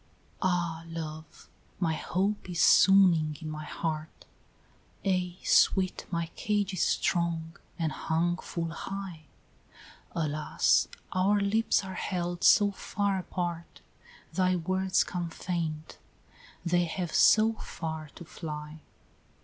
XXII. "Ah! Love, my hope is swooning in my heart, " "Ay, sweet, my cage is strong and hung full high " "Alas! our lips are held so far apart, Thy words come faint, they have so far to fly!